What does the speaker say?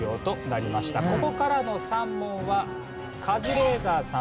ここからの３問はカズレーザーさん